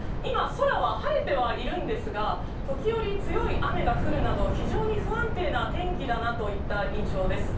今、青空は晴れてはいるんですが、時折強い雨が降るなど、非常に不安定な天気だなといった印象です。